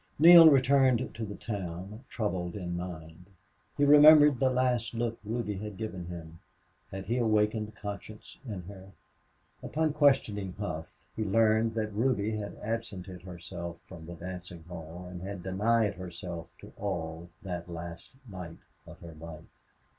Neale returned to the town troubled in mind. He remembered the last look Ruby had given him. Had he awakened conscience in her? Upon questioning Hough, he learned that Ruby had absented herself from the dancing hall and had denied herself to all on that last night of her life.